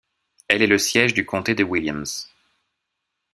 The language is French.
Elle est le siège du comté de Williams.